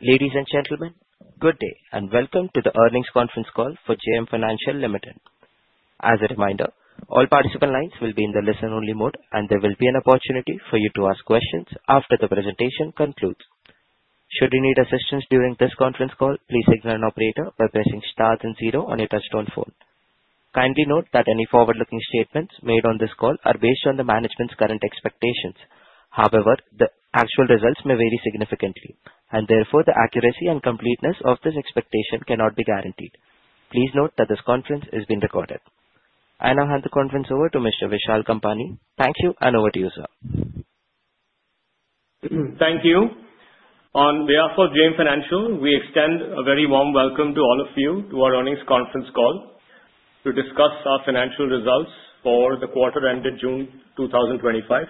Ladies and gentlemen, good day and welcome to the earnings conference call for JM Financial Limited. As a reminder, all participant lines will be in the listen-only mode, and there will be an opportunity for you to ask questions after the presentation concludes. Should you need assistance during this conference call, please dial an operator by pressing star and zero on your touch-tone phone. Kindly note that any forward-looking statements made on this call are based on the management's current expectations. However, the actual results may vary significantly, and therefore the accuracy and completeness of this expectation cannot be guaranteed. Please note that this conference is being recorded. I now hand the conference over to Mr. Vishal Kampani. Thank you, and over to you, sir. Thank you. On behalf of JM Financial, we extend a very warm welcome to all of you to our earnings conference call to discuss our financial results for the quarter ended June 2025.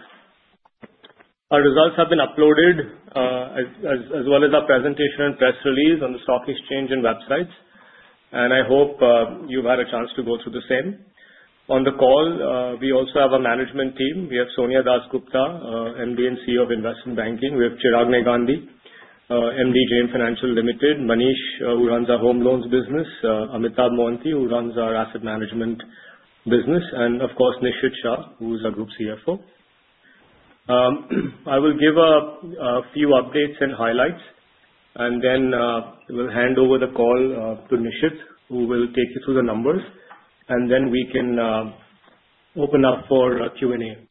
Our results have been uploaded, as well as our presentation and press release on the stock exchange and websites, and I hope you've had a chance to go through the same. On the call, we also have a management team. We have Sonia Dasgupta, MD and CEO of Investment Banking. We have Chirag Negandhi, MD JM Financial Limited, Manish, who runs our home loans business, Amitabh Mohanty, who runs our asset management business, and of course, Nishit Shah, who is our group CFO. I will give a few updates and highlights, and then we'll hand over the call to Nishit, who will take you through the numbers, and then we can open up for Q&A.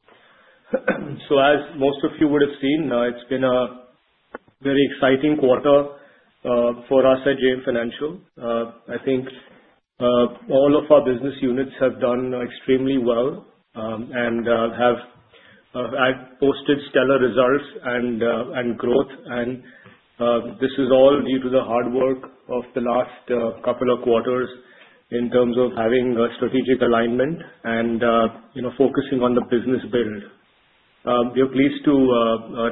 As most of you would have seen, it's been a very exciting quarter for us at JM Financial. I think all of our business units have done extremely well and have posted stellar results and growth, and this is all due to the hard work of the last couple of quarters in terms of having a strategic alignment and focusing on the business build. We are pleased to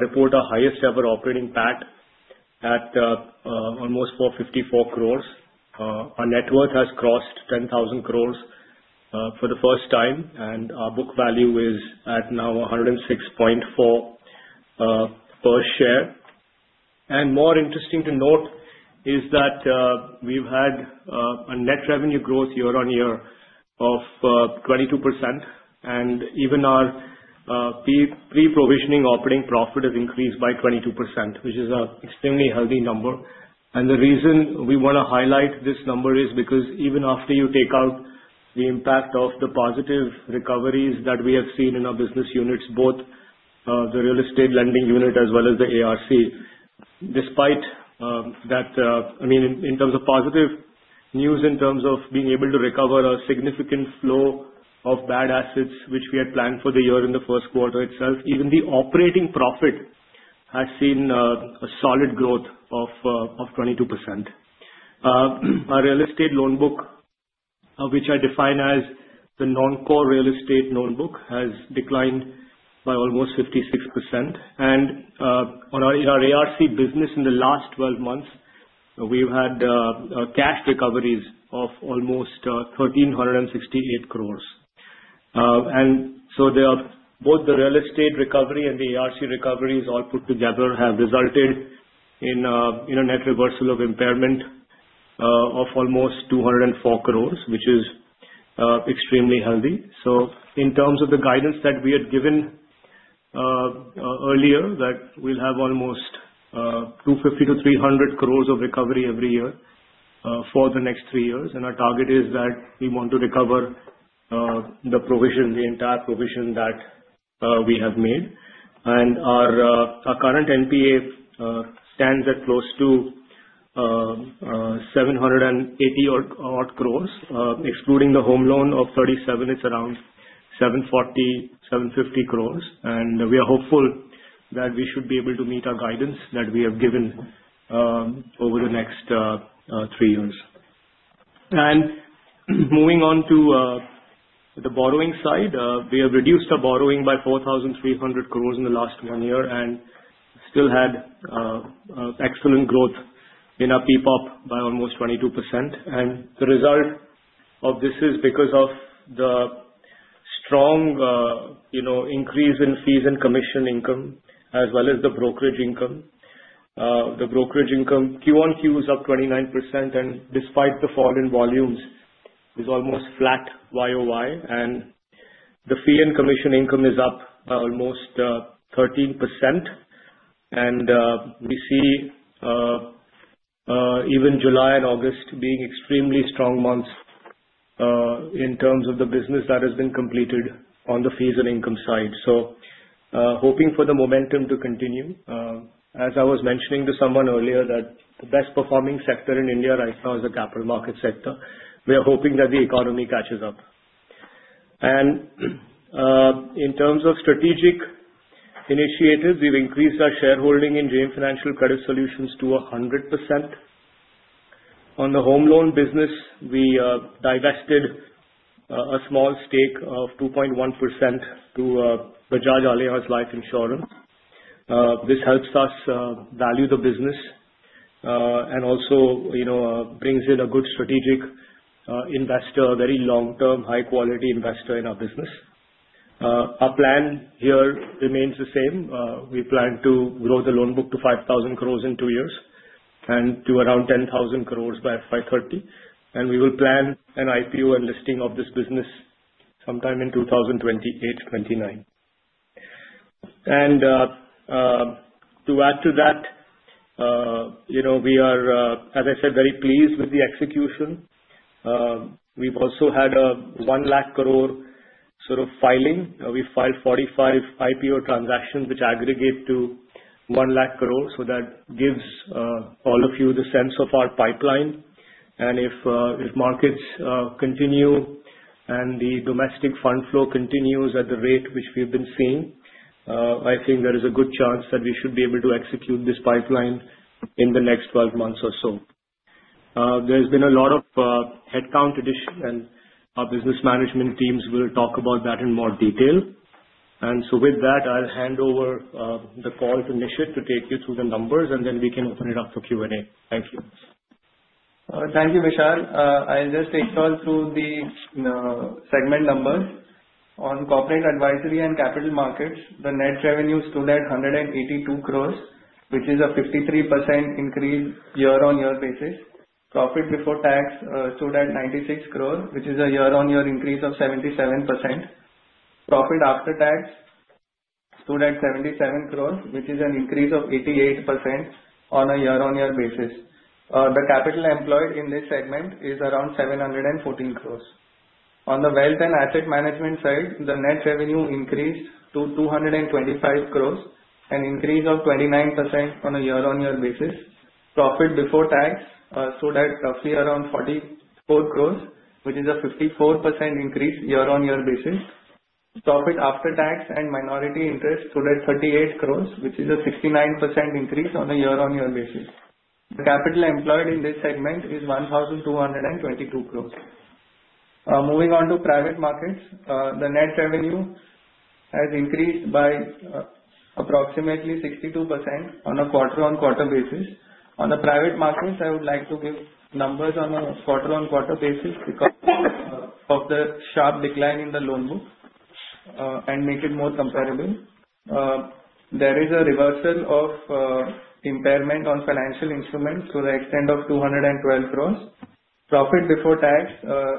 report our highest ever operating PAT at almost 454 crores. Our net worth has crossed 10,000 crores for the first time, and our book value is now at 106.4 per share. More interesting to note is that we've had a net revenue growth year-on-year of 22%, and even our pre-provisioning operating profit has increased by 22%, which is an extremely healthy number. And the reason we want to highlight this number is because even after you take out the impact of the positive recoveries that we have seen in our business units, both the real estate lending unit as well as the ARC, despite that, I mean, in terms of positive news, in terms of being able to recover a significant flow of bad assets, which we had planned for the year in the first quarter itself, even the operating profit has seen a solid growth of 22%. Our real estate loan book, which I define as the non-core real estate loan book, has declined by almost 56%. And in our ARC business in the last 12 months, we've had cash recoveries of almost 1,368 crores. Both the real estate recovery and the ARC recoveries all put together have resulted in a net reversal of impairment of almost 204 crores, which is extremely healthy. In terms of the guidance that we had given earlier, that we'll have almost 250-300 crores of recovery every year for the next three years, and our target is that we want to recover the provision, the entire provision that we have made. Our current NPA stands at close to 780 crores, excluding the home loan of 37. It's around 740, 750 crores, and we are hopeful that we should be able to meet our guidance that we have given over the next three years. Moving on to the borrowing side, we have reduced our borrowing by 4,300 crores in the last one year and still had excellent growth in our PPOP by almost 22%. The result of this is because of the strong increase in fees and commission income, as well as the brokerage income. The brokerage income, QoQ is up 29%, and despite the fall in volumes, it's almost flat YoY, and the fee and commission income is up almost 13%. We see even July and August being extremely strong months in terms of the business that has been completed on the fees and income side. Hoping for the momentum to continue. As I was mentioning to someone earlier that the best performing sector in India right now is the capital market sector. We are hoping that the economy catches up. In terms of strategic initiatives, we've increased our shareholding in JM Financial Credit Solutions to 100%. On the home loan business, we divested a small stake of 2.1% to Bajaj Allianz Life Insurance. This helps us value the business and also brings in a good strategic investor, a very long-term, high-quality investor in our business. Our plan here remains the same. We plan to grow the loan book to 5,000 crores in two years and to around 10,000 crores by 2030, and we will plan an IPO and listing of this business sometime in 2028-2029, and to add to that, we are, as I said, very pleased with the execution. We've also had a 1 lakh crore sort of filing. We filed 45 IPO transactions, which aggregate to 1 lakh crores, so that gives all of you the sense of our pipeline, and if markets continue and the domestic fund flow continues at the rate which we've been seeing, I think there is a good chance that we should be able to execute this pipeline in the next 12 months or so. There's been a lot of headcount addition, and our business management teams will talk about that in more detail. And so with that, I'll hand over the call to Nishit to take you through the numbers, and then we can open it up for Q&A. Thank you. Thank you, Vishal. I'll just take you all through the segment numbers. On corporate advisory and capital markets, the net revenue stood at 182 crores, which is a 53% increase year-on-year basis. Profit before tax stood at 96 crores, which is a year-on-year increase of 77%. Profit after tax stood at 77 crores, which is an increase of 88% on a year-on-year basis. The capital employed in this segment is around 714 crores. On the wealth and asset management side, the net revenue increased to 225 crores, an increase of 29% on a year-on-year basis. Profit before tax stood at roughly around 44 crores, which is a 54% increase year-on-year basis. Profit after tax and minority interest stood at 38 crores, which is a 69% increase on a year-on-year basis. The capital employed in this segment is 1,222 crores. Moving on to private markets, the net revenue has increased by approximately 62% on a quarter-on-quarter basis. On the private markets, I would like to give numbers on a quarter-on-quarter basis because of the sharp decline in the loan book and make it more comparable. There is a reversal of impairment on financial instruments to the extent of 212 crores. Profit before tax,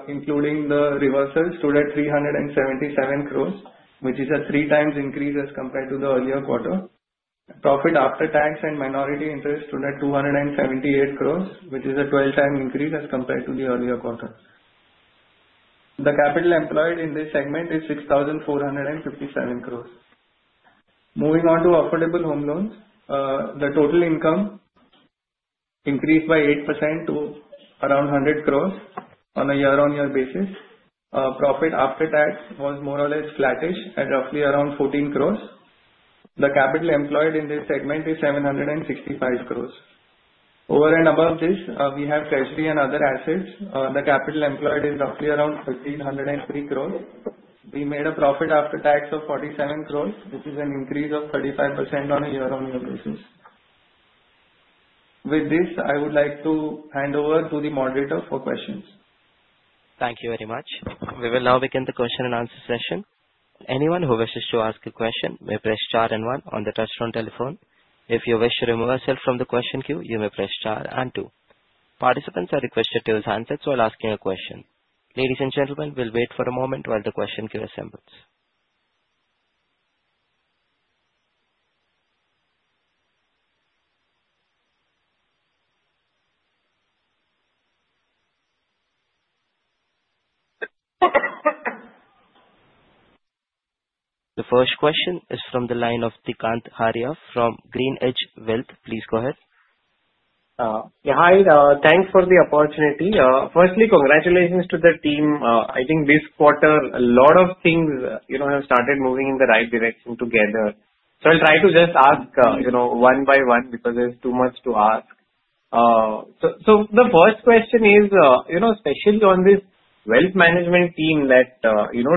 including the reversal, stood at 377 crores, which is a three-times increase as compared to the earlier quarter. Profit after tax and minority interest stood at 278 crores, which is a 12-time increase as compared to the earlier quarter. The capital employed in this segment is 6,457 crores. Moving on to affordable home loans, the total income increased by 8% to around 100 crores on a year-on-year basis. Profit after tax was more or less flattish at roughly around 14 crores. The capital employed in this segment is 765 crores. Over and above this, we have treasury and other assets. The capital employed is roughly around 1,303 crores. We made a profit after tax of 47 crores, which is an increase of 35% on a year-on-year basis. With this, I would like to hand over to the moderator for questions. Thank you very much. We will now begin the question and answer session. Anyone who wishes to ask a question may press star and one on the touchscreen telephone. If you wish to remove yourself from the question queue, you may press star and two. Participants are requested to answer while asking a question. Ladies and gentlemen, we'll wait for a moment while the question queue assembles. The first question is from the line of Digant Haria from GreenEdge Wealth. Please go ahead. Yeah, hi, thanks for the opportunity. Firstly, congratulations to the team. I think this quarter, a lot of things have started moving in the right direction together. So I'll try to just ask one by one because there's too much to ask. So the first question is, especially on this wealth management team that,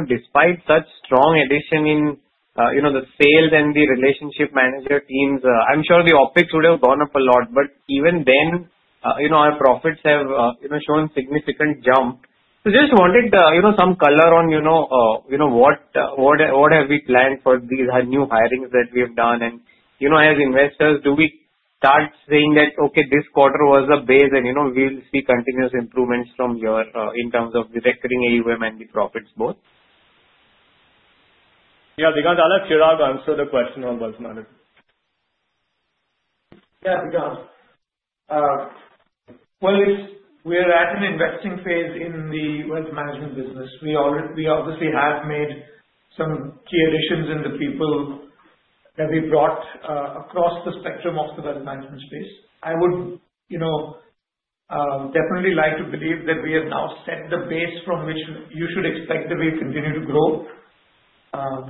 despite such strong addition in the sales and the relationship manager teams, I'm sure the OpEx would have gone up a lot, but even then, our profits have shown significant jump. So just wanted some color on what have we planned for these new hirings that we have done. And as investors, do we start saying that, okay, this quarter was a base and we'll see continuous improvements from here in terms of the recurring AUM and the profits both? Yeah, Digant, I'll let Chirag answer the question on wealth management. Yeah, Digant. Well, we're at an investing phase in the wealth management business. We obviously have made some key additions in the people that we brought across the spectrum of the wealth management space. I would definitely like to believe that we have now set the base from which you should expect that we continue to grow,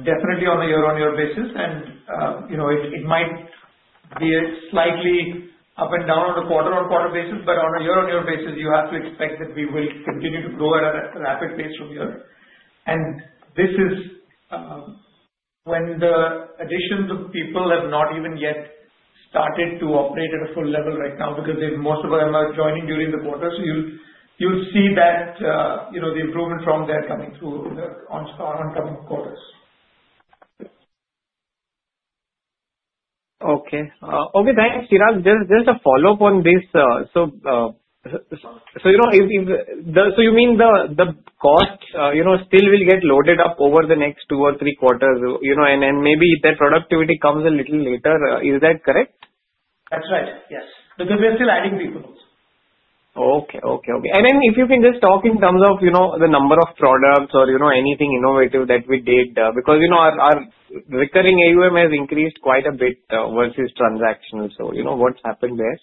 definitely on a year-on-year basis, and it might be slightly up and down on a quarter-on-quarter basis, but on a year-on-year basis, you have to expect that we will continue to grow at a rapid pace from here, and this is when the additions of people have not even yet started to operate at a full level right now because most of them are joining during the quarter. So you'll see that the improvement from there coming through in the oncoming quarters. Okay. Okay, thanks. Chirag, just a follow-up on this. So you mean the cost still will get loaded up over the next two or three quarters, and maybe the productivity comes a little later. Is that correct? That's right, yes. Because we're still adding people also. And then if you can just talk in terms of the number of products or anything innovative that we did, because our recurring AUM has increased quite a bit versus transactional. So what's happened there?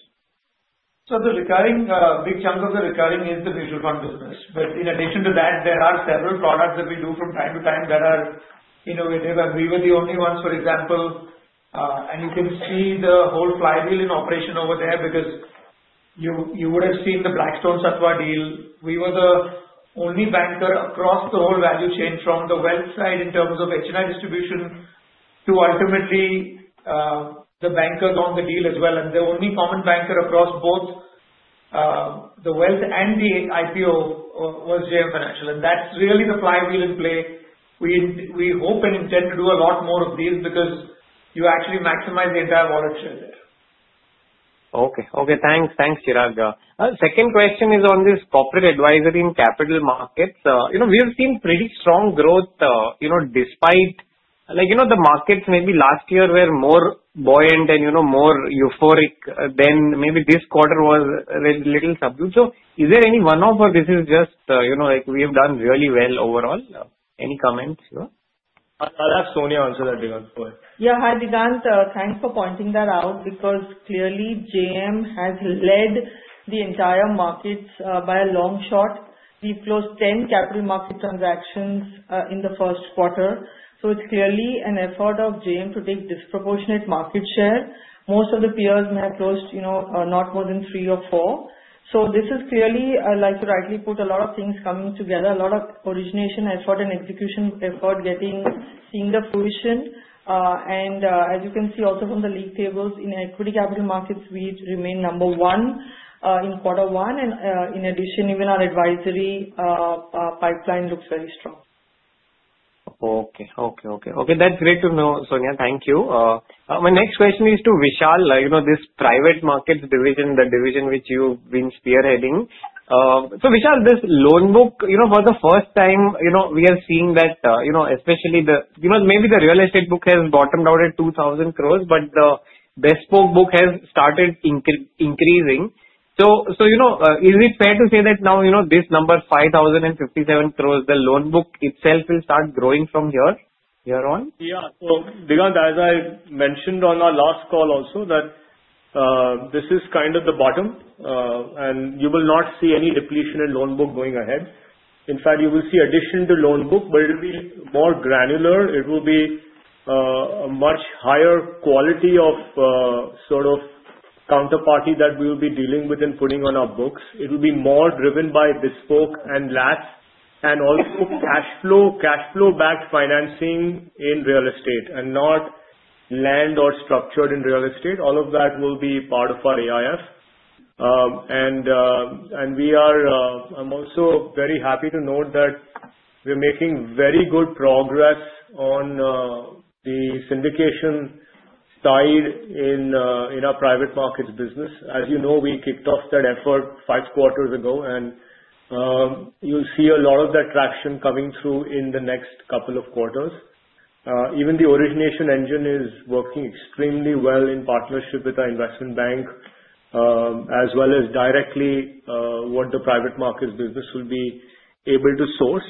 So the recurring, a big chunk of the recurring is the mutual fund business. But in addition to that, there are several products that we do from time to time that are innovative, and we were the only ones, for example. And you can see the whole flywheel in operation over there because you would have seen the Blackstone Sattva deal. We were the only banker across the whole value chain from the wealth side in terms of HNI distribution to ultimately the bankers on the deal as well. And the only common banker across both the wealth and the IPO was JM Financial. And that's really the flywheel in play. We hope and intend to do a lot more of these because you actually maximize the entire volatility. Okay, okay, thanks. Thanks, Chirag. Second question is on this corporate advisory and capital markets. We have seen pretty strong growth despite the markets maybe last year were more buoyant and more euphoric than maybe this quarter was a little subdued. So is there any one-off or this is just like we have done really well overall? Any comments? I'll ask Sonia to answer that, Digant. Go ahead. Yeah, hi, Digant, thanks for pointing that out because clearly JM has led the entire market by a long shot. We closed 10 capital market transactions in the first quarter. It's clearly an effort of JM to take disproportionate market share. Most of the peers may have closed not more than three or four. This is clearly, like you rightly put, a lot of things coming together, a lot of origination effort and execution effort, seeing the fruition. And as you can see also from the league tables, in equity capital markets, we remain number one in quarter one. In addition, even our advisory pipeline looks very strong. Okay, okay, okay. Okay, that's great to know, Sonia. Thank you. My next question is to Vishal, this private markets division, the division which you've been spearheading. So Vishal, this loan book, for the first time, we are seeing that especially, maybe the real estate book has bottomed out at 2,000 crores, but the bespoke book has started increasing. So is it fair to say that now this number 5,057 crores, the loan book itself will start growing from here on? Yeah. So Digant, as I mentioned on our last call also, that this is kind of the bottom, and you will not see any depletion in loan book going ahead. In fact, you will see addition to loan book, but it will be more granular. It will be a much higher quality of sort of counterparty that we will be dealing with and putting on our books. It will be more driven by bespoke and less. And also cash flow-backed financing in real estate and not land or structured in real estate. All of that will be part of our AIF. And I'm also very happy to note that we're making very good progress on the syndication side in our private markets business. As you know, we kicked off that effort five quarters ago, and you'll see a lot of that traction coming through in the next couple of quarters. Even the origination engine is working extremely well in partnership with our investment bank, as well as directly what the private markets business will be able to source.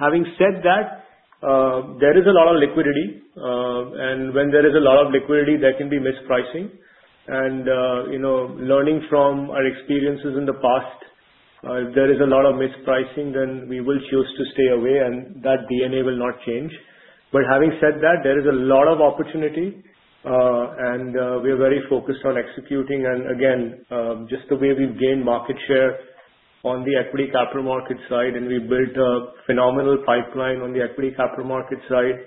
Having said that, there is a lot of liquidity, and when there is a lot of liquidity, there can be mispricing, and learning from our experiences in the past, if there is a lot of mispricing, then we will choose to stay away, and that DNA will not change, but having said that, there is a lot of opportunity, and we are very focused on executing, and again, just the way we've gained market share on the equity capital market side, and we built a phenomenal pipeline on the equity capital market side,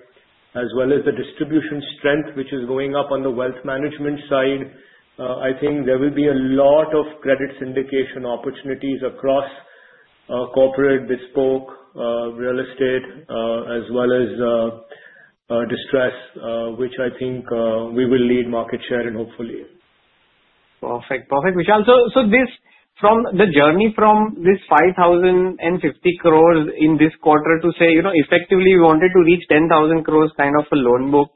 as well as the distribution strength, which is going up on the wealth management side. I think there will be a lot of credit syndication opportunities across corporate, bespoke, real estate, as well as distress, which I think we will lead market share in, hopefully. Perfect, perfect, Vishal. So from the journey from this 5,050 crores in this quarter to say, effectively, we wanted to reach 10,000 crores kind of a loan book,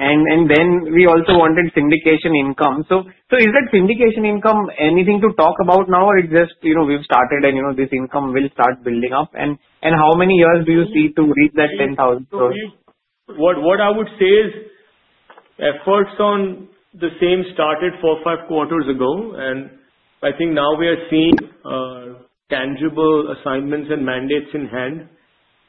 and then we also wanted syndication income. So is that syndication income anything to talk about now, or it's just we've started, and this income will start building up? And how many years do you see to reach that 10,000 crores? What I would say is efforts on the same started four, five quarters ago. And I think now we are seeing tangible assignments and mandates in hand,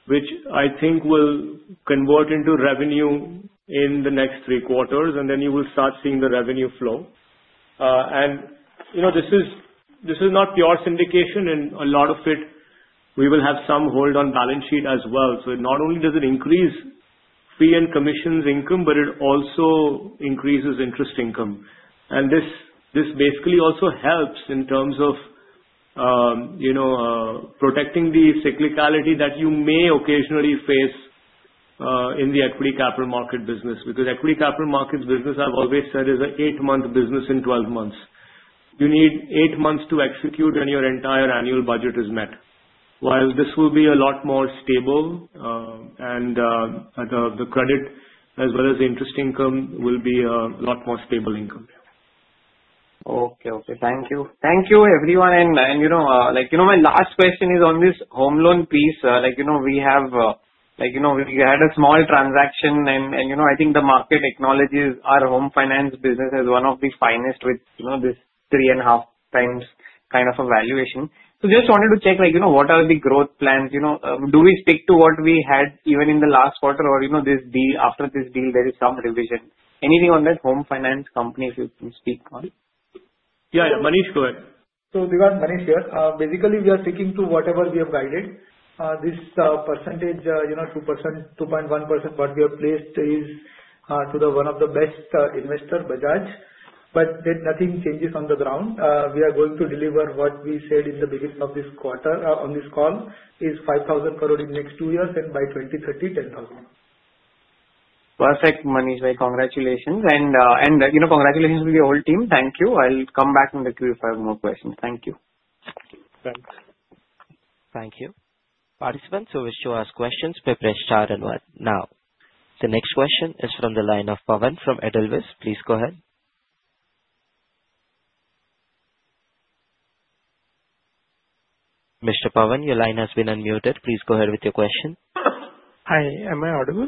which I think will convert into revenue in the next three quarters, and then you will start seeing the revenue flow. And this is not pure syndication, and a lot of it, we will have some hold on balance sheet as well. So not only does it increase fee and commissions income, but it also increases interest income. And this basically also helps in terms of protecting the cyclicality that you may occasionally face in the equity capital market business. Because equity capital markets business, I've always said, is an eight-month business in 12 months. You need eight months to execute when your entire annual budget is met. While this will be a lot more stable, and the credit as well as interest income will be a lot more stable income. Okay, okay. Thank you. Thank you, everyone. And my last question is on this home loan piece. We have had a small transaction, and I think the market acknowledges our home finance business as one of the finest with this three and a half times kind of a valuation. So just wanted to check what are the growth plans? Do we stick to what we had even in the last quarter, or after this deal, there is some revision? Anything on that home finance company, if you can speak on it? Yeah, yeah. Manish, go ahead. Digant, Manish here. Basically, we are sticking to whatever we have guided. This percentage, 2.1%, what we have placed is to one of the best investors, Bajaj. But nothing changes on the ground. We are going to deliver what we said in the beginning of this quarter. On this call is 5,000 crores in the next two years, and by 2030, 10,000. Perfect, Manish. Congratulations. And congratulations to the whole team. Thank you. I'll come back in the queue if I have more questions. Thank you. Thanks. Thank you. Participants, who wish to ask questions, may press star and one. Now, the next question is from the line of Pavan from Edelweiss. Please go ahead. Mr. Pavan, your line has been unmuted. Please go ahead with your question. Hi, am I audible?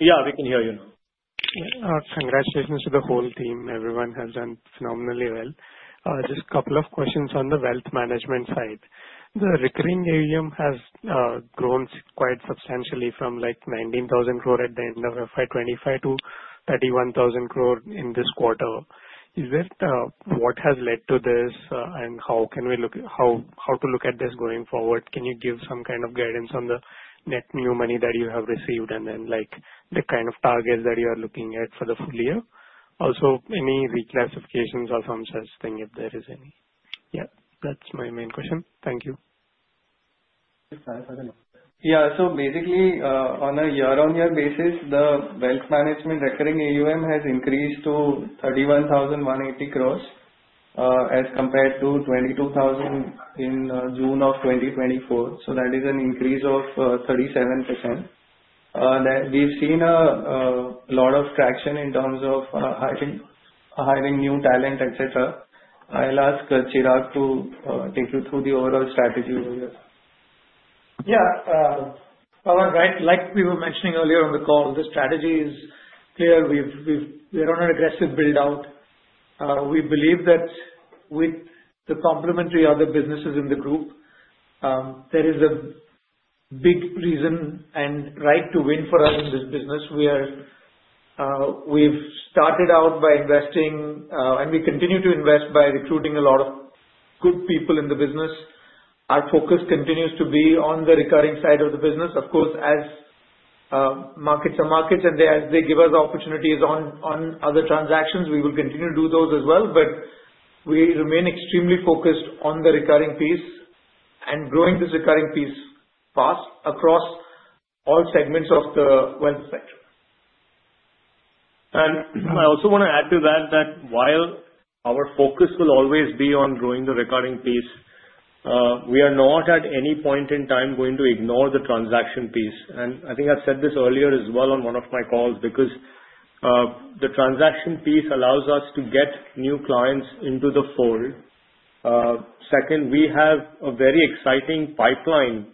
Yeah, we can hear you now. Congratulations to the whole team. Everyone has done phenomenally well. Just a couple of questions on the wealth management side. The recurring AUM has grown quite substantially from like 19,000 crores at the end of FY25 to 31,000 crores in this quarter. What has led to this, and how can we look at how to look at this going forward? Can you give some kind of guidance on the net new money that you have received and then the kind of targets that you are looking at for the full year? Also, any reclassifications or some such thing if there is any? Yeah, that's my main question. Thank you. Yeah, so basically, on a year-on-year basis, the wealth management recurring AUM has increased to 31,180 crores as compared to 22,000 crores in June of 2024. So that is an increase of 37%. We've seen a lot of traction in terms of hiring new talent, etc. I'll ask Chirag to take you through the overall strategy over here. Yeah, Pavan, like we were mentioning earlier on the call, the strategy is clear. We're on an aggressive build-out. We believe that with the complementary other businesses in the group, there is a big reason and right to win for us in this business. We've started out by investing, and we continue to invest by recruiting a lot of good people in the business. Our focus continues to be on the recurring side of the business. Of course, as markets are markets, and as they give us opportunities on other transactions, we will continue to do those as well. But we remain extremely focused on the recurring piece and growing this recurring piece fast across all segments of the wealth sector. And I also want to add to that that while our focus will always be on growing the recurring piece, we are not at any point in time going to ignore the transaction piece. And I think I've said this earlier as well on one of my calls because the transaction piece allows us to get new clients into the fold. Second, we have a very exciting pipeline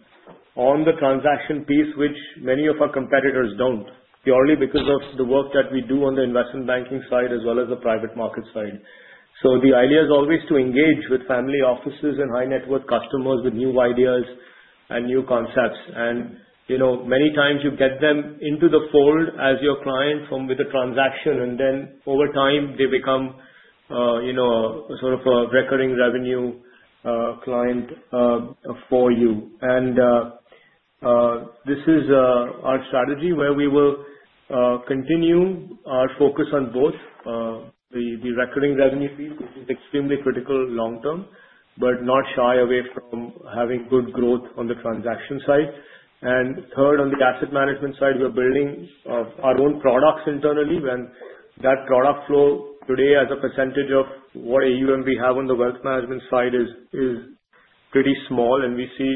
on the transaction piece, which many of our competitors don't, purely because of the work that we do on the investment banking side as well as the private market side. So the idea is always to engage with family offices and high-net-worth customers with new ideas and new concepts. And many times you get them into the fold as your client with a transaction, and then over time, they become sort of a recurring revenue client for you. This is our strategy where we will continue our focus on both the recurring revenue piece, which is extremely critical long-term, but not shy away from having good growth on the transaction side. Third, on the asset management side, we're building our own products internally. That product flow today, as a percentage of what AUM we have on the wealth management side, is pretty small, and we see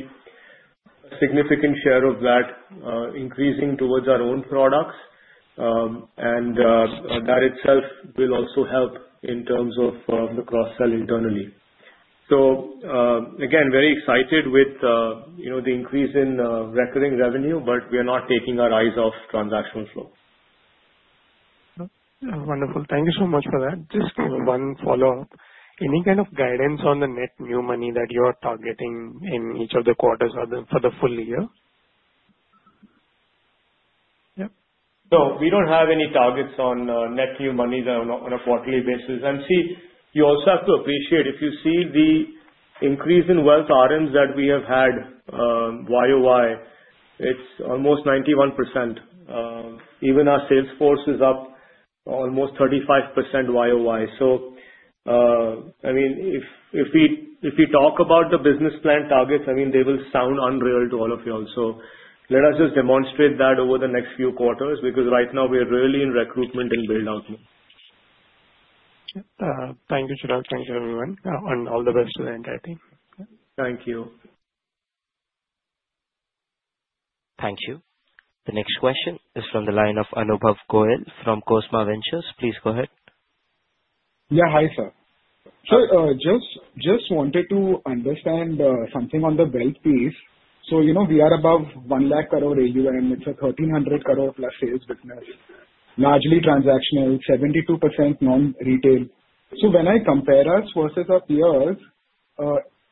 a significant share of that increasing towards our own products. That itself will also help in terms of the cross-sell internally. Again, very excited with the increase in recurring revenue, but we are not taking our eyes off transactional flow. Wonderful. Thank you so much for that. Just one follow-up. Any kind of guidance on the net new money that you are targeting in each of the quarters for the full year? No, we don't have any targets on net new money on a quarterly basis, and see, you also have to appreciate if you see the increase in wealth RMs that we have had YOY, it's almost 91%. Even our sales force is up almost 35% YOY, so I mean, if we talk about the business plan targets, I mean, they will sound unreal to all of you, so let us just demonstrate that over the next few quarters because right now, we're really in recruitment and build-out. Thank you, Chiragh. Thank you, everyone. And all the best to the entire team. Thank you. Thank you. The next question is from the line of Anubhav Goel from Cosma Ventures. Please go ahead. Yeah, hi, sir. So just wanted to understand something on the wealth piece. So we are above 1 lakh crore AUM. It's a 1,300 crore+ sales business, largely transactional, 72% non-retail. So when I compare us versus our peers,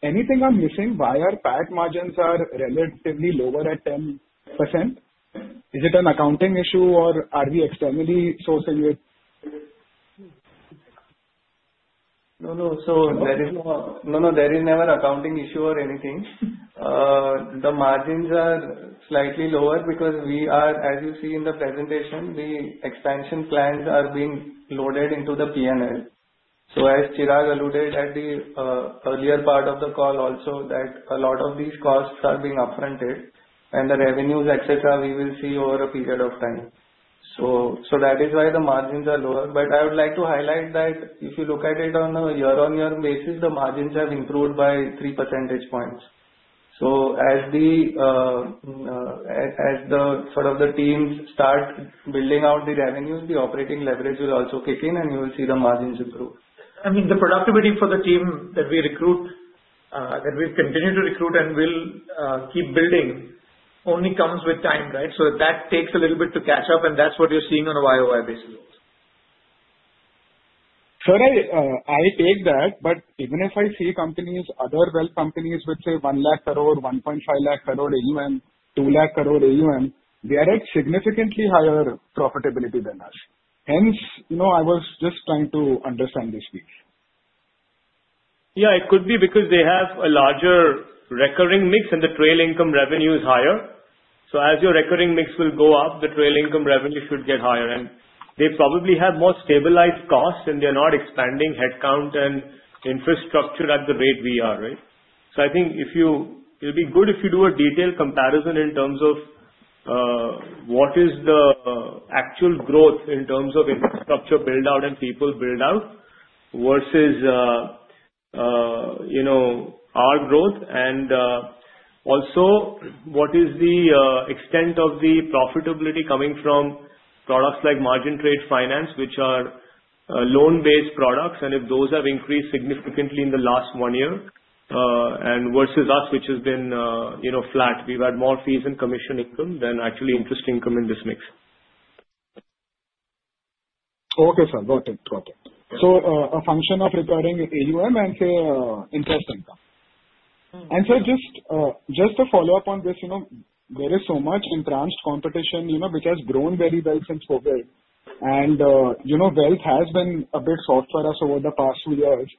anything I'm missing? Why our PAT margins are relatively lower at 10%? Is it an accounting issue, or are we externally sourcing it? No, no. So there is never an accounting issue or anything. The margins are slightly lower because we are, as you see in the presentation, the expansion plans are being loaded into the P&L. So as Chirag alluded at the earlier part of the call also, that a lot of these costs are being upfronted, and the revenues, etc., we will see over a period of time. So that is why the margins are lower. But I would like to highlight that if you look at it on a year-on-year basis, the margins have improved by 3 percentage points. So as the sort of the teams start building out the revenues, the operating leverage will also kick in, and you will see the margins improve. I mean, the productivity for the team that we recruit, that we've continued to recruit and will keep building, only comes with time, right? So that takes a little bit to catch up, and that's what you're seeing on a YOY basis also. So I take that, but even if I see companies, other wealth companies with, say, one lakh crore, 1.5 lakh crore AUM, two lakh crore AUM, they are at significantly higher profitability than us. Hence, I was just trying to understand this piece. Yeah, it could be because they have a larger recurring mix, and the trail income revenue is higher, so as your recurring mix will go up, the trail income revenue should get higher, and they probably have more stabilized costs, and they're not expanding headcount and infrastructure at the rate we are, right, so I think it'll be good if you do a detailed comparison in terms of what is the actual growth in terms of infrastructure build-out and people build-out versus our growth, and also, what is the extent of the profitability coming from products like margin trade finance, which are loan-based products, and if those have increased significantly in the last one year versus us, which has been flat, we've had more fees and commission income than actually interest income in this mix. Okay, sir. Got it. Got it. So a function of recurring AUM and, say, interest income. And so just a follow-up on this, there is so much entrenched competition. It has grown very well since COVID, and wealth has been a bit soft for us over the past few years.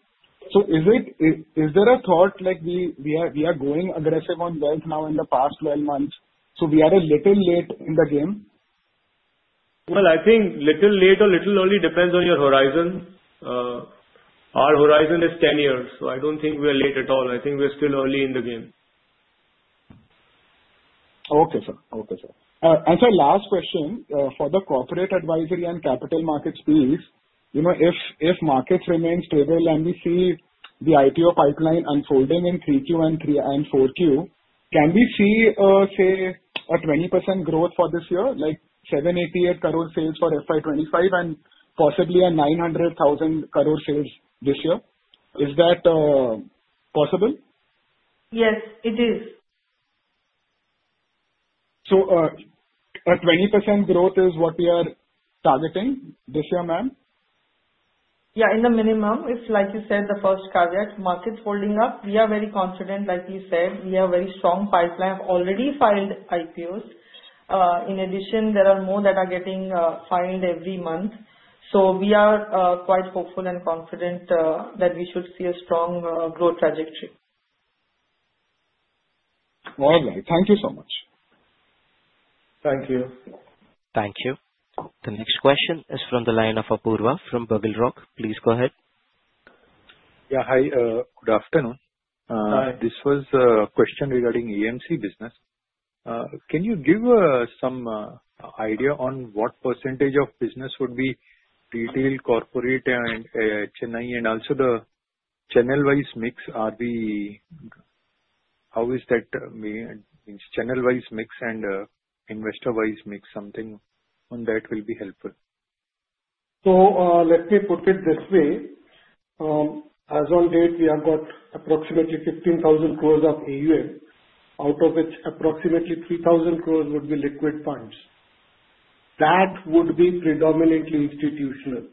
So is there a thought like we are going aggressive on wealth now in the past 12 months? So we are a little late in the game? I think little late or little early depends on your horizon. Our horizon is 10 years, so I don't think we are late at all. I think we're still early in the game. Okay, sir. And so last question for the corporate advisory and capital markets piece. If markets remain stable and we see the IPO pipeline unfolding in 3Q and 4Q, can we see, say, a 20% growth for this year, like 788 crore sales for FY25 and possibly a 900,000 crore sales this year? Is that possible? Yes, it is. So a 20% growth is what we are targeting this year, ma'am? Yeah, in the minimum, if, like you said, the first caveat, markets holding up, we are very confident, like you said. We have a very strong pipeline. We have already filed IPOs. In addition, there are more that are getting filed every month. So we are quite hopeful and confident that we should see a strong growth trajectory. All right. Thank you so much. Thank you. Thank you. The next question is from the line of Apurva from BugleRock. Please go ahead. Yeah, hi. Good afternoon. This was a question regarding AMC business. Can you give some idea on what percentage of business would be retail, corporate, and HNI, and also the channel-wise mix? How is that channel-wise mix and investor-wise mix? Something on that will be helpful. So let me put it this way. As of date, we have got approximately 15,000 crores of AUM, out of which approximately 3,000 crores would be liquid funds. That would be predominantly institutional.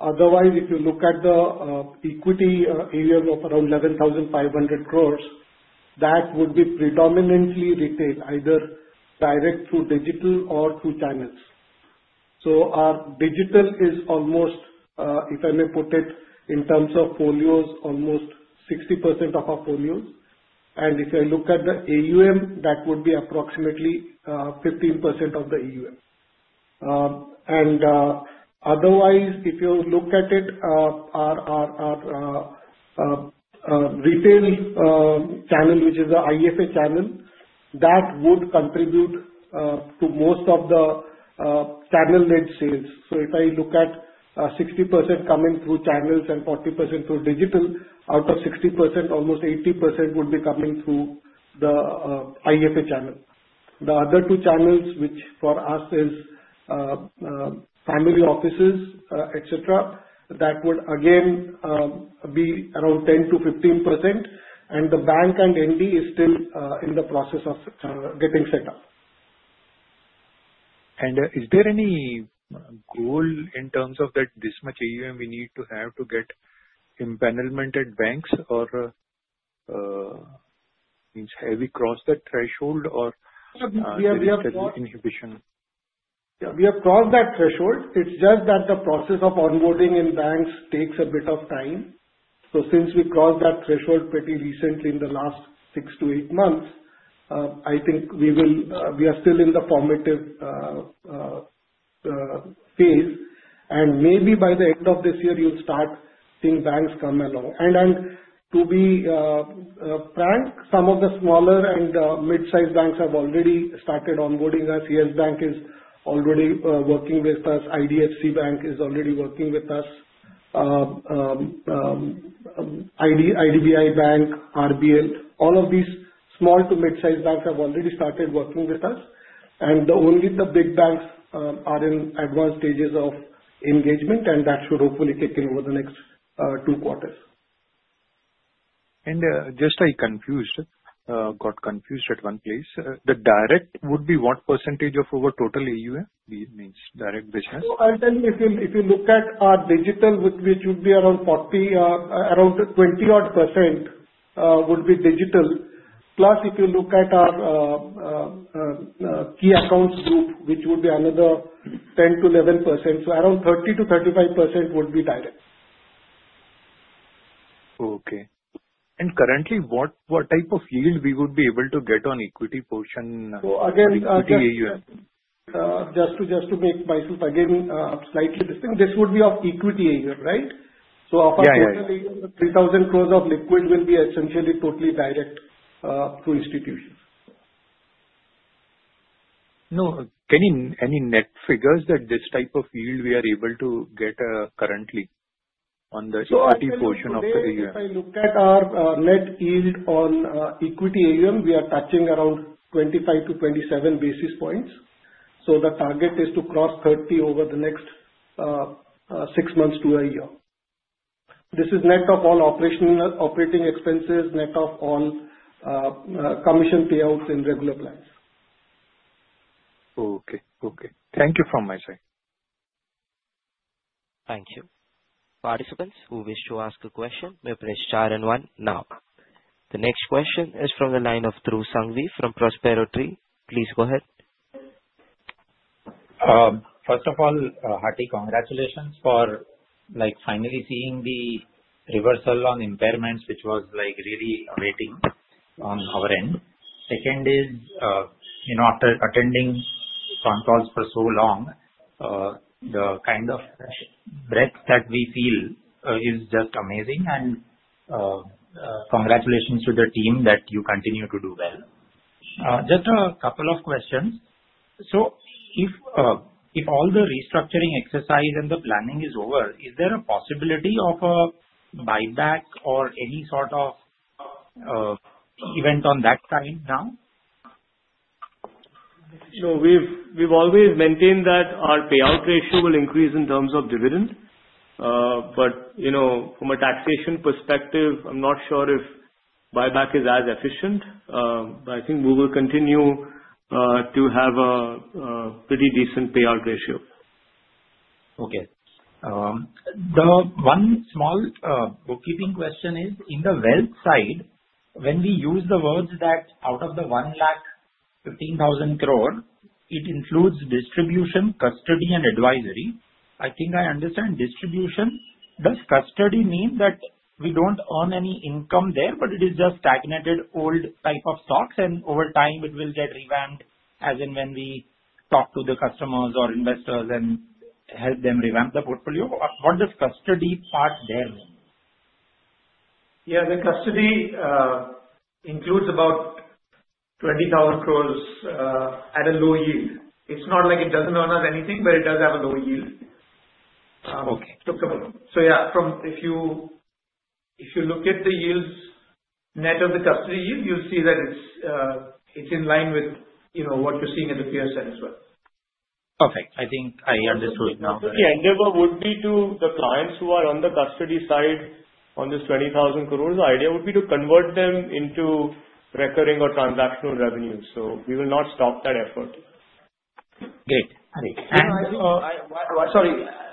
Otherwise, if you look at the equity AUM of around 11,500 crores, that would be predominantly retail, either direct through digital or through channels. So our digital is almost, if I may put it in terms of folios, almost 60% of our folios. And if I look at the AUM, that would be approximately 15% of the AUM. And otherwise, if you look at it, our retail channel, which is the IFA channel, that would contribute to most of the channel-led sales. So if I look at 60% coming through channels and 40% through digital, out of 60%, almost 80% would be coming through the IFA channel. The other two channels, which for us is family offices, etc., that would again be around 10%-15%. And the bank and ND is still in the process of getting set up. Is there any goal in terms of that this much AUM we need to have to get empanelment at banks? Or have we crossed that threshold? Or is there any inhibition? We have crossed that threshold. It's just that the process of onboarding in banks takes a bit of time, so since we crossed that threshold pretty recently in the last six to eight months, I think we are still in the formative phase, and maybe by the end of this year, you'll start seeing banks come along, and to be frank, some of the smaller and mid-sized banks have already started onboarding us. Yes Bank is already working with us. IDFC Bank is already working with us. IDBI Bank, RBL, all of these small to mid-sized banks have already started working with us, and only the big banks are in advanced stages of engagement, and that should hopefully kick in over the next two quarters. Just I got confused at one place. The direct would be what percentage of our total AUM? Direct business? So I'll tell you, if you look at our digital, which would be around 20%, would be digital. Plus, if you look at our key accounts group, which would be another 10%-11%. So around 30%-35% would be direct. Okay. And currently, what type of yield we would be able to get on equity portion? So again. Equity AUM? Just to make myself again slightly distinct, this would be of equity AUM, right? So of our total AUM, the 3,000 crores of liquid will be essentially totally direct through institutions. Now, any net figures that this type of yield we are able to get currently on the equity portion of the AUM? So actually, if I look at our net yield on equity AUM, we are touching around 25-27 basis points. So the target is to cross 30 over the next six months to a year. This is net of all operating expenses, net of all commission payouts in regular plans. Okay. Okay. Thank you from my side. Thank you. Participants who wish to ask a question may press star and one now. The next question is from the line of Dhruv Sanghvi from Prospero Tree. Please go ahead. First of all, hearty congratulations for finally seeing the reversal on impairments, which was really awaiting on our end. Second is, after attending con calls for so long, the kind of breather that we feel is just amazing. And congratulations to the team that you continue to do well. Just a couple of questions. So if all the restructuring exercise and the planning is over, is there a possibility of a buyback or any sort of event on that side now? We've always maintained that our payout ratio will increase in terms of dividend. But from a taxation perspective, I'm not sure if buyback is as efficient. But I think we will continue to have a pretty decent payout ratio. Okay. The one small bookkeeping question is, in the wealth side, when we use the words that out of the 1 lakh 15,000 crore, it includes distribution, custody, and advisory. I think I understand distribution. Does custody mean that we don't earn any income there, but it is just stagnated old type of stocks, and over time, it will get revamped as in when we talk to the customers or investors and help them revamp the portfolio? What does custody part there mean? Yeah, the custody includes about 20,000 crores at a low yield. It's not like it doesn't earn us anything, but it does have a low yield. So yeah, if you look at the yields, net of the custody yield, you'll see that it's in line with what you're seeing at the PSI as well. Okay. I think I understood now. The idea would be to the clients who are on the custody side on this 20,000 crores, the idea would be to convert them into recurring or transactional revenue. So we will not stop that effort. Great. Sorry,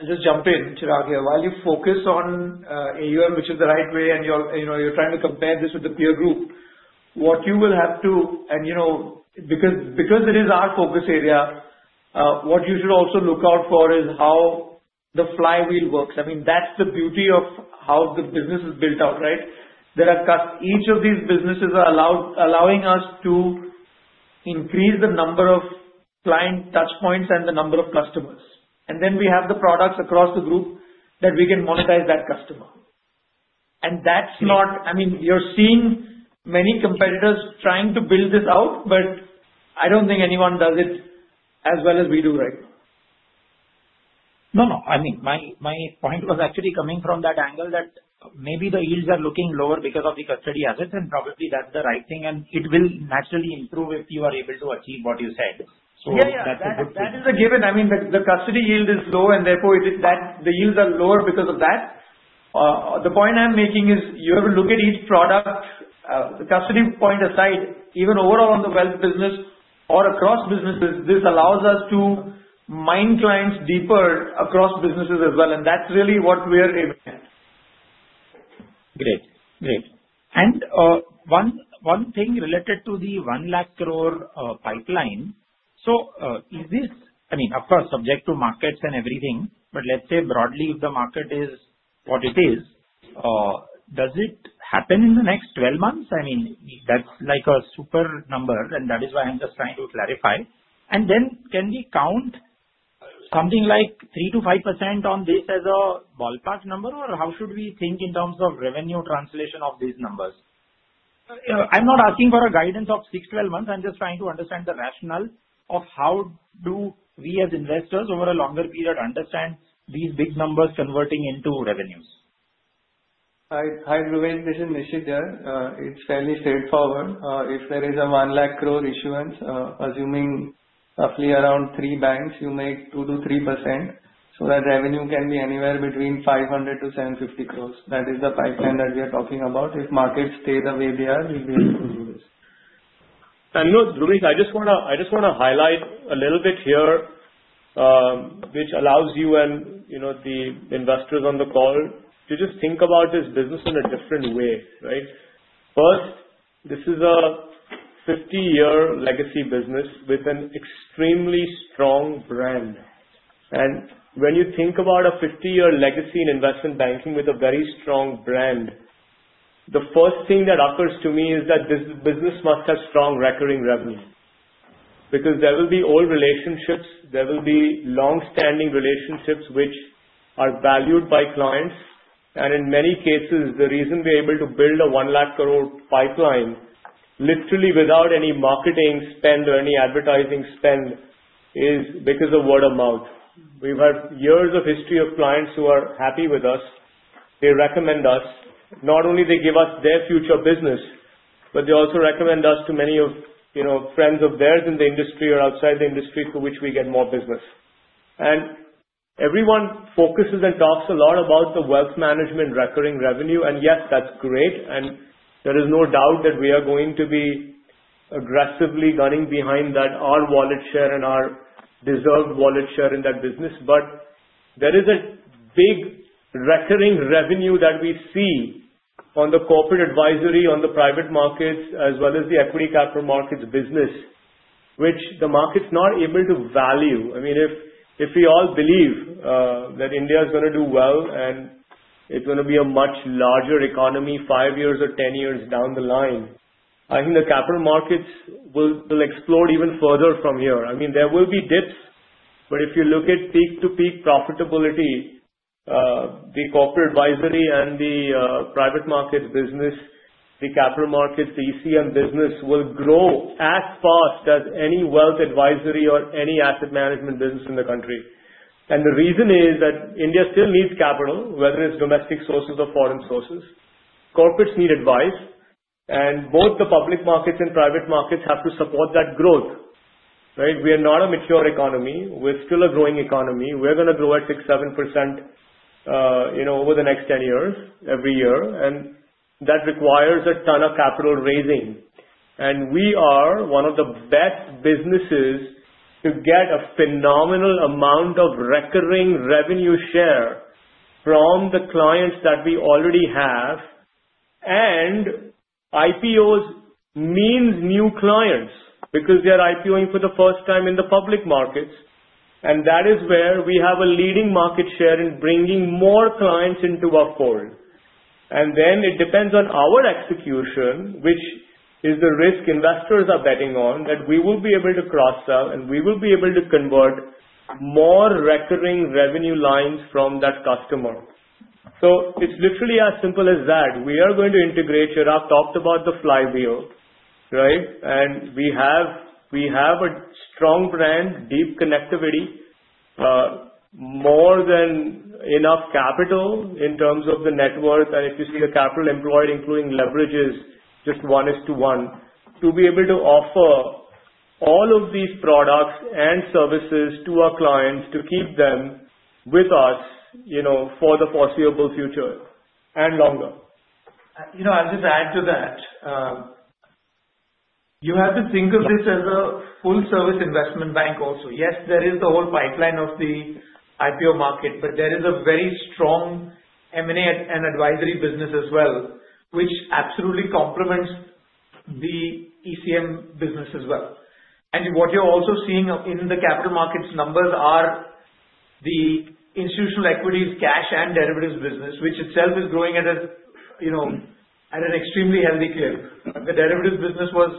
just jump in, Chirag here. While you focus on AUM, which is the right way, and you're trying to compare this with the peer group, what you will have to, and because it is our focus area, what you should also look out for is how the flywheel works. I mean, that's the beauty of how the business is built out, right? Each of these businesses are allowing us to increase the number of client touchpoints and the number of customers. And then we have the products across the group that we can monetize that customer. And that's not, I mean, you're seeing many competitors trying to build this out, but I don't think anyone does it as well as we do right now. No, no. I mean, my point was actually coming from that angle that maybe the yields are looking lower because of the custody assets, and probably that's the right thing, and it will naturally improve if you are able to achieve what you said, so that's a good thing. Yeah, yeah. That is a given. I mean, the custody yield is low, and therefore the yields are lower because of that. The point I'm making is you have to look at each product. The custody point aside, even overall on the wealth business or across businesses, this allows us to mine clients deeper across businesses as well, and that's really what we are aiming at. Great. Great. And one thing related to the 1 lakh crore pipeline. So is this, I mean, of course, subject to markets and everything, but let's say broadly, if the market is what it is, does it happen in the next 12 months? I mean, that's like a super number, and that is why I'm just trying to clarify. And then can we count something like 3%-5% on this as a ballpark number? Or how should we think in terms of revenue translation of these numbers? I'm not asking for a guidance of 6, 12 months. I'm just trying to understand the rationale of how do we as investors over a longer period understand these big numbers converting into revenues? Hi Dhruvesh. This is Nishit here. It's fairly straightforward. If there is a one lakh crore issuance, assuming roughly around three banks, you make two-three%. So that revenue can be anywhere between 500-750 crores. That is the pipeline that we are talking about. If markets stay the way they are, we'll be able to do this. And look, Dhruvesh, I just want to highlight a little bit here, which allows you and the investors on the call to just think about this business in a different way, right? First, this is a 50-year legacy business with an extremely strong brand. And when you think about a 50-year legacy in investment banking with a very strong brand, the first thing that occurs to me is that this business must have strong recurring revenue. Because there will be old relationships. There will be long-standing relationships which are valued by clients. And in many cases, the reason we are able to build a 1 lakh crore pipeline literally without any marketing spend or any advertising spend is because of word of mouth. We've had years of history of clients who are happy with us. They recommend us. Not only do they give us their future business, but they also recommend us to many friends of theirs in the industry or outside the industry through which we get more business. And everyone focuses and talks a lot about the wealth management recurring revenue. And yes, that's great. And there is no doubt that we are going to be aggressively gunning behind our wallet share and our deserved wallet share in that business. But there is a big recurring revenue that we see on the corporate advisory, on the private markets, as well as the equity capital markets business, which the market's not able to value. I mean, if we all believe that India is going to do well and it's going to be a much larger economy five years or 10 years down the line, I think the capital markets will explode even further from here. I mean, there will be dips. But if you look at peak-to-peak profitability, the corporate advisory and the private markets business, the capital markets, the ECM business will grow as fast as any wealth advisory or any asset management business in the country. And the reason is that India still needs capital, whether it's domestic sources or foreign sources. Corporates need advice. And both the public markets and private markets have to support that growth, right? We are not a mature economy. We're still a growing economy. We're going to grow at 6%-7% over the next 10 years every year, and that requires a ton of capital raising, and we are one of the best businesses to get a phenomenal amount of recurring revenue share from the clients that we already have, and IPOs mean new clients because they are IPOing for the first time in the public markets, and that is where we have a leading market share in bringing more clients into our fold. And then it depends on our execution, which is the risk investors are betting on, that we will be able to cross sell and we will be able to convert more recurring revenue lines from that customer, so it's literally as simple as that. We are going to integrate. Chirag talked about the flywheel, right? We have a strong brand, deep connectivity, more than enough capital in terms of the net worth. If you see the capital employed, including leverages, just one-to-one, to be able to offer all of these products and services to our clients to keep them with us for the foreseeable future and longer. I'll just add to that. You have to think of this as a full-service investment bank also. Yes, there is the whole pipeline of the IPO market, but there is a very strong M&A and advisory business as well, which absolutely complements the ECM business as well. What you're also seeing in the capital markets numbers are the institutional equities, cash, and derivatives business, which itself is growing at an extremely healthy clip. The derivatives business was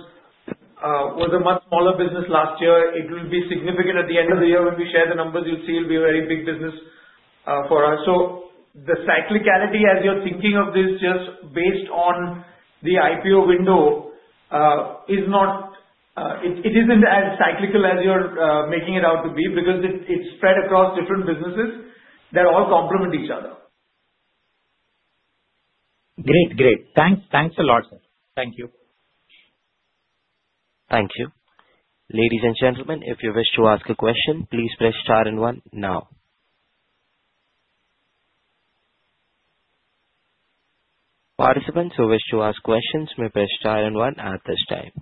a much smaller business last year. It will be significant at the end of the year when we share the numbers. You'll see it will be a very big business for us. So the cyclicality, as you're thinking of this just based on the IPO window, it isn't as cyclical as you're making it out to be because it's spread across different businesses that all complement each other. Great. Great. Thanks. Thanks a lot, sir. Thank you. Thank you. Ladies and gentlemen, if you wish to ask a question, please press star and one now. Participants who wish to ask questions may press star and one at this time.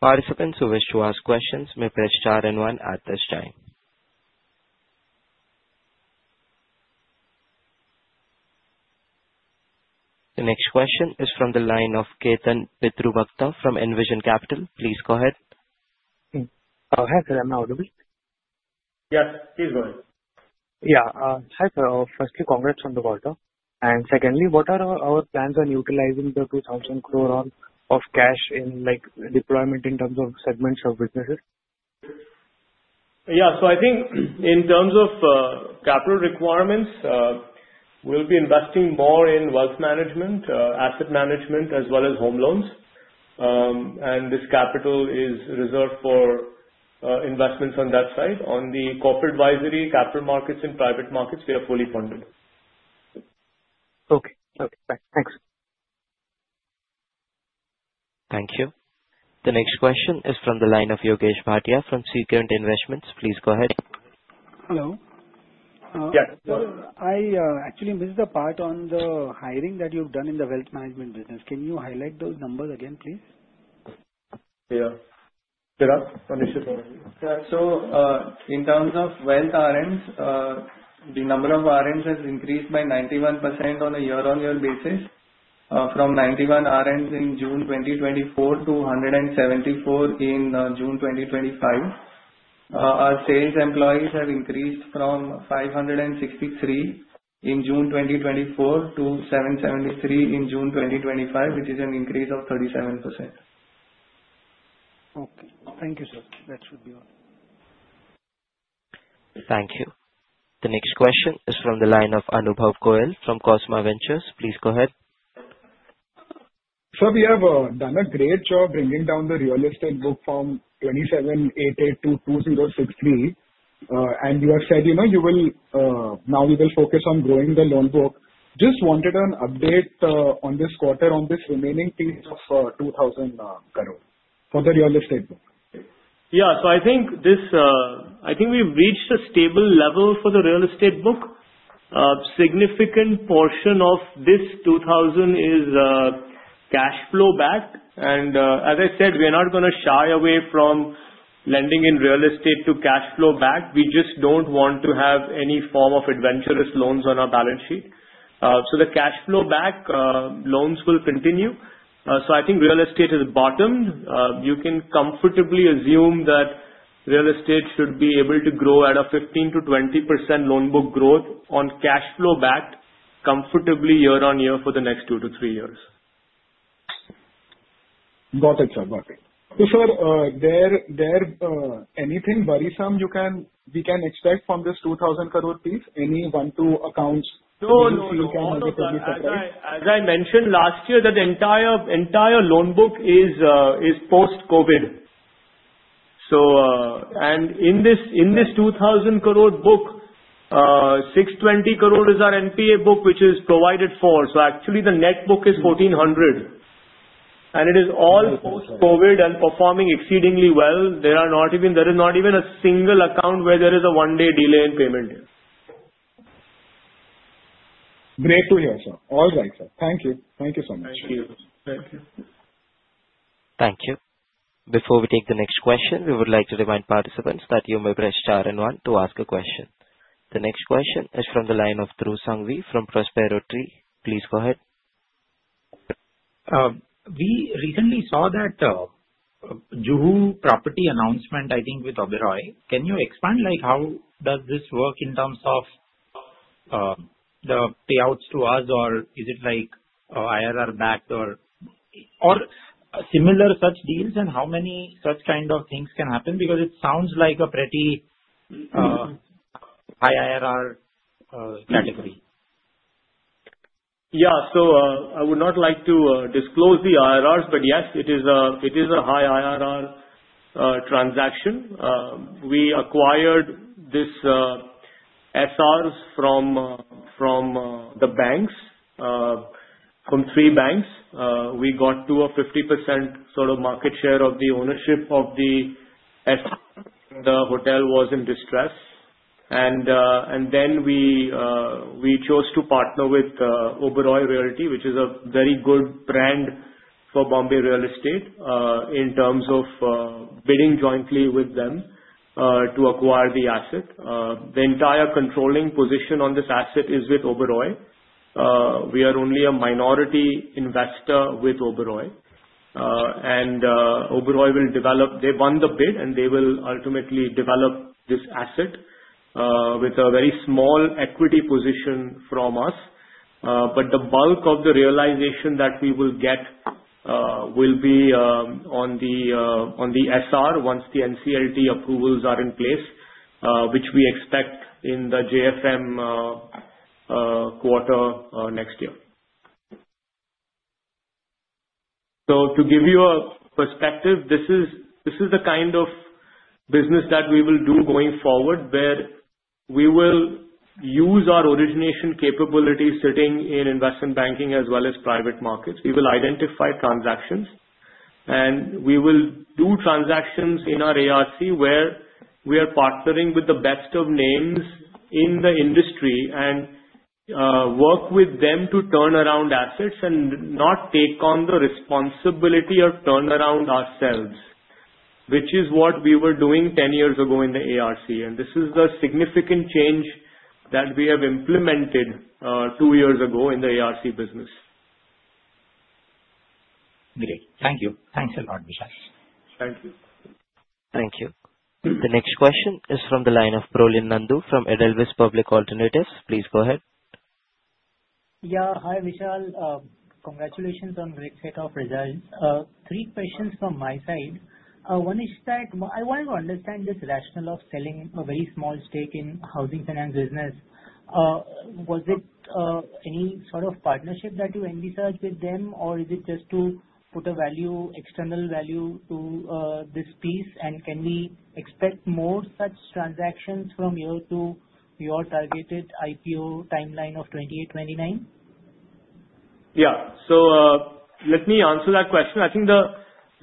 Participants who wish to ask questions may press star and one at this time. The next question is from the line of Ketan Pitrubhakta from Envision Capital. Please go ahead. Hi, sir. I'm now. Yes. Please go ahead. Yeah. Hi, sir. Firstly, congrats on the call, sir. And secondly, what are our plans on utilizing the 2,000 crore of cash in deployment in terms of segments of businesses? Yeah. So I think in terms of capital requirements, we'll be investing more in wealth management, asset management, as well as home loans. And this capital is reserved for investments on that side. On the corporate advisory, capital markets, and private markets, we are fully funded. Okay. Okay. Thanks. Thank you. The next question is from the line of Yogesh Bhatia from Sequent Investments. Please go ahead. Hello. Yes. Actually, this is the part on the hiring that you've done in the wealth management business. Can you highlight those numbers again, please? Yeah. Chirag? So in terms of wealth RMs, the number of RMs has increased by 91% on a year-on-year basis from 91 RMs in June 2024 to 174 in June 2025. Our sales employees have increased from 563 in June 2024 to 773 in June 2025, which is an increase of 37%. Okay. Thank you, sir. That should be all. Thank you. The next question is from the line of Anubhav Goel from Cosma Financial Holdings. Please go ahead. Sir, we have done a great job bringing down the real estate book from 2,788 to 2,063, and you have said now we will focus on growing the loan book. Just wanted an update on this quarter on this remaining piece of 2,000 crore for the real estate book. Yeah. So I think we've reached a stable level for the real estate book. A significant portion of this 2,000 is cash flow back. And as I said, we are not going to shy away from lending in real estate to cash flow back. We just don't want to have any form of adventurous loans on our balance sheet. So the cash flow back loans will continue. So I think real estate has bottomed. You can comfortably assume that real estate should be able to grow at a 15%-20% loan book growth on cash flow back comfortably year-on-year for the next two to three years. Got it, sir. Got it. So, sir, anything worrisome we can expect from this 2,000 crore piece? Any one-two accounts? No, no, no. As I mentioned last year, the entire loan book is post-COVID. And in this 2,000 crore book, 620 crore is our NPA book, which is provided for. So actually, the net book is 1,400. And it is all post-COVID and performing exceedingly well. There is not even a single account where there is a one-day delay in payment. Great to hear, sir. All right, sir. Thank you. Thank you so much. Thank you. Thank you. Thank you. Before we take the next question, we would like to remind participants that you may press star and one to ask a question. The next question is from the line of Dhruv Sanghvi from Prospero Tree. Please go ahead. We recently saw that Juhu property announcement, I think, with Oberoi. Can you expand how does this work in terms of the payouts to us? Or is it IRR back or similar such deals? And how many such kind of things can happen? Because it sounds like a pretty high IRR category. Yeah. So I would not like to disclose the IRRs, but yes, it is a high IRR transaction. We acquired this SRs from the banks, from three banks. We got to a 50% sort of market share of the ownership of the SRs when the hotel was in distress. And then we chose to partner with Oberoi Realty, which is a very good brand for Bombay real estate in terms of bidding jointly with them to acquire the asset. The entire controlling position on this asset is with Oberoi. We are only a minority investor with Oberoi. And Oberoi will develop. They won the bid, and they will ultimately develop this asset with a very small equity position from us. But the bulk of the realization that we will get will be on the SR once the NCLT approvals are in place, which we expect in the JFM quarter next year. So to give you a perspective, this is the kind of business that we will do going forward where we will use our origination capability sitting in investment banking as well as private markets. We will identify transactions. And we will do transactions in our ARC where we are partnering with the best of names in the industry and work with them to turn around assets and not take on the responsibility of turnaround ourselves, which is what we were doing 10 years ago in the ARC. And this is the significant change that we have implemented two years ago in the ARC business. Great. Thank you. Thanks a lot, Vishal. Thank you. Thank you. The next question is from the line of Prolin Nandu from Edelweiss Public Alternatives. Please go ahead. Yeah. Hi, Vishal. Congratulations on a great set of results. Three questions from my side. One is that I want to understand this rationale of selling a very small stake in housing finance business. Was it any sort of partnership that you envisioned with them, or is it just to put a value, external value to this piece? And can we expect more such transactions from here to your targeted IPO timeline of 2028-2029? Yeah. So let me answer that question. I think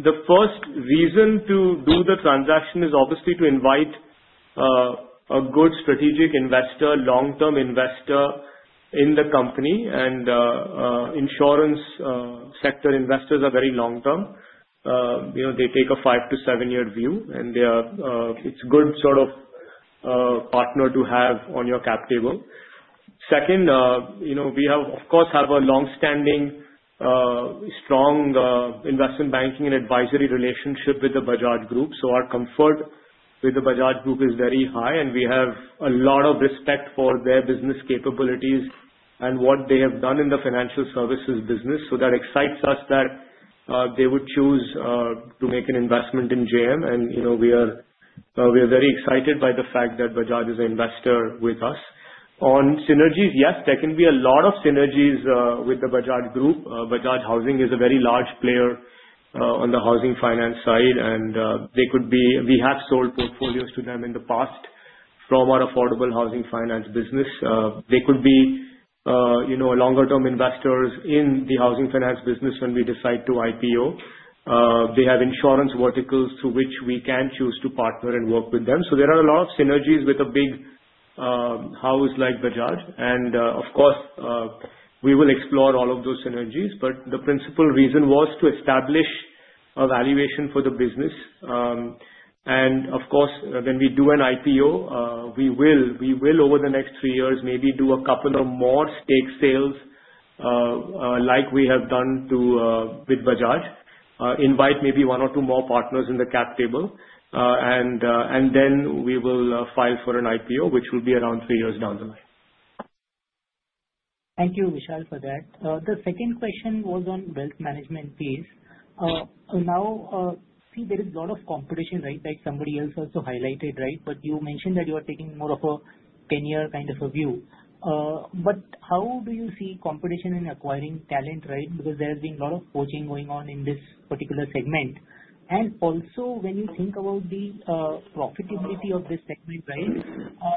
the first reason to do the transaction is obviously to invite a good strategic investor, long-term investor in the company. And insurance sector investors are very long-term. They take a five-to-seven-year view, and it's a good sort of partner to have on your cap table. Second, we have, of course, a long-standing, strong investment banking and advisory relationship with the Bajaj Group. So our comfort with the Bajaj Group is very high, and we have a lot of respect for their business capabilities and what they have done in the financial services business. So that excites us that they would choose to make an investment in JM. And we are very excited by the fact that Bajaj is an investor with us. On synergies, yes, there can be a lot of synergies with the Bajaj Group. Bajaj Housing is a very large player on the housing finance side, and they could be. We have sold portfolios to them in the past from our affordable housing finance business. They could be longer-term investors in the housing finance business when we decide to IPO. They have insurance verticals through which we can choose to partner and work with them. So there are a lot of synergies with a big house like Bajaj. And of course, we will explore all of those synergies. But the principal reason was to establish a valuation for the business. And of course, when we do an IPO, we will, over the next three years, maybe do a couple of more stake sales like we have done with Bajaj, invite maybe one or two more partners in the cap table. And then we will file for an IPO, which will be around three years down the line. Thank you, Vishal, for that. The second question was on wealth management piece. Now, see, there is a lot of competition, right, like somebody else also highlighted, right? But you mentioned that you are taking more of a ten-year kind of a view. But how do you see competition in acquiring talent, right? Because there has been a lot of poaching going on in this particular segment. And also, when you think about the profitability of this segment, right?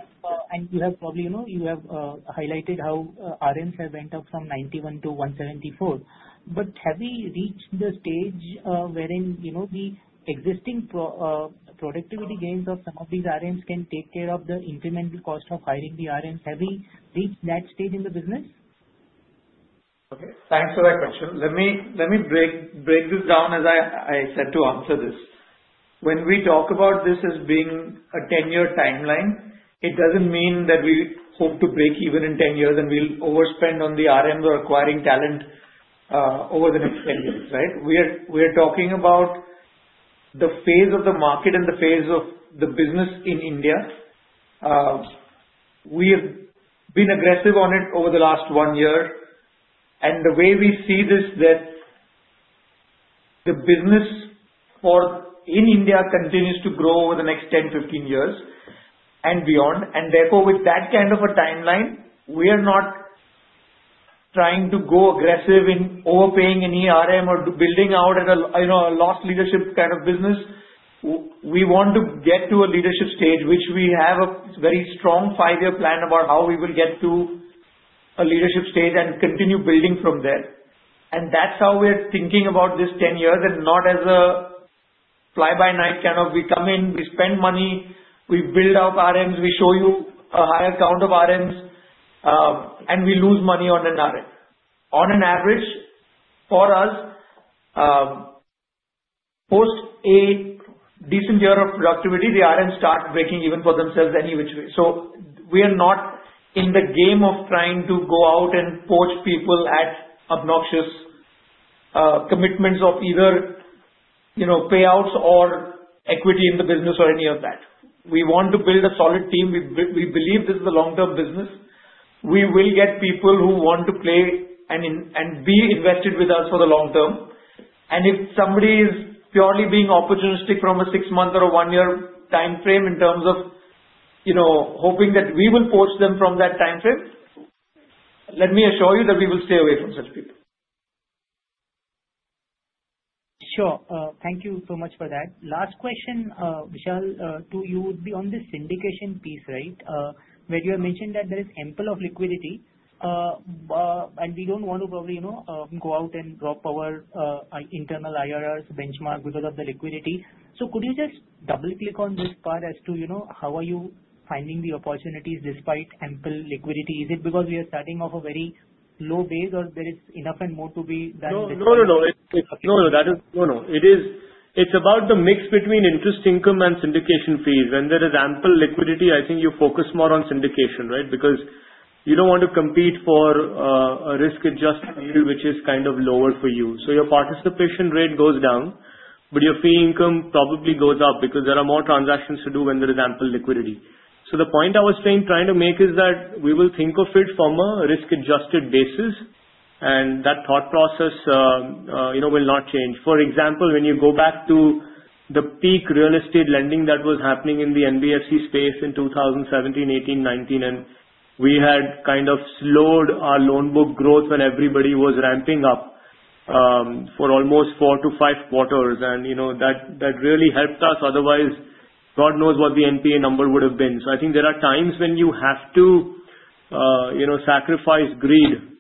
And you have probably highlighted how RMs have went up from 91 to 174. But have we reached the stage wherein the existing productivity gains of some of these RMs can take care of the incremental cost of hiring the RMs? Have we reached that stage in the business? Okay. Thanks for that question. Let me break this down as I said to answer this. When we talk about this as being a ten-year timeline, it doesn't mean that we hope to break even in ten years and we'll overspend on the RMs or acquiring talent over the next ten years, right? We are talking about the phase of the market and the phase of the business in India. We have been aggressive on it over the last one year. And the way we see this, that the business in India continues to grow over the next 10, 15 years and beyond. And therefore, with that kind of a timeline, we are not trying to go aggressive in overpaying any RM or building out a cost leadership kind of business. We want to get to a leadership stage, which we have a very strong five-year plan about how we will get to a leadership stage and continue building from there, and that's how we are thinking about this ten years and not as a fly-by-night kind of we come in, we spend money, we build out RMs, we show you a higher count of RMs, and we lose money on an RM. On an average, for us, post a decent year of productivity, the RMs start breaking even for themselves any which way, so we are not in the game of trying to go out and poach people at obnoxious commitments of either payouts or equity in the business or any of that. We want to build a solid team. We believe this is a long-term business. We will get people who want to play and be invested with us for the long term. And if somebody is purely being opportunistic from a six-month or a one-year timeframe in terms of hoping that we will poach them from that timeframe, let me assure you that we will stay away from such people. Sure. Thank you so much for that. Last question, Vishal, to you would be on the syndication piece, right, where you have mentioned that there is ample liquidity. And we don't want to probably go out and drop our internal IRRs benchmark because of the liquidity. So could you just double-click on this part as to how are you finding the opportunities despite ample liquidity? Is it because we are starting off a very low base, or there is enough and more to be done? No, no, no, no. No, no, no. That is no, no. It's about the mix between interest income and syndication fees. When there is ample liquidity, I think you focus more on syndication, right? Because you don't want to compete for a risk-adjusted yield, which is kind of lower for you. So your participation rate goes down, but your fee income probably goes up because there are more transactions to do when there is ample liquidity. So the point I was trying to make is that we will think of it from a risk-adjusted basis, and that thought process will not change. For example, when you go back to the peak real estate lending that was happening in the NBFC space in 2017, 2018, 2019, and we had kind of slowed our loan book growth when everybody was ramping up for almost four to five quarters. That really helped us. Otherwise, God knows what the NPA number would have been. I think there are times when you have to sacrifice greed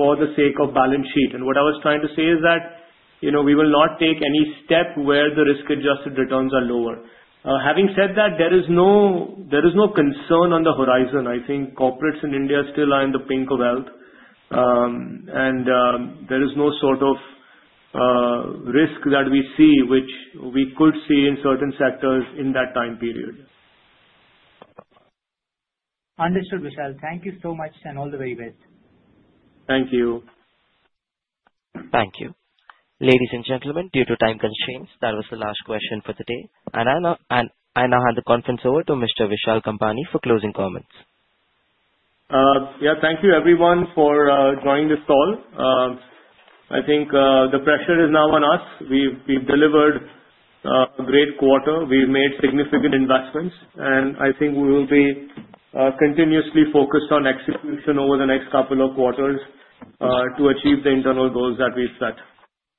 for the sake of balance sheet. What I was trying to say is that we will not take any step where the risk-adjusted returns are lower. Having said that, there is no concern on the horizon. I think corporates in India still are in the pink of wealth, and there is no sort of risk that we see, which we could see in certain sectors in that time period. Understood, Vishal. Thank you so much, and all the very best. Thank you. Thank you. Ladies and gentlemen, due to time constraints, that was the last question for the day, and I now hand the conference over to Mr. Vishal Kampani for closing comments. Yeah. Thank you, everyone, for joining this call. I think the pressure is now on us. We've delivered a great quarter. We've made significant investments, and I think we will be continuously focused on execution over the next couple of quarters to achieve the internal goals that we've set.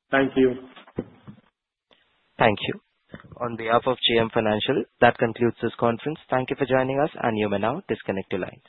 Thank you. Thank you. On behalf of JM Financial, that concludes this conference. Thank you for joining us, and you may now disconnect your lines.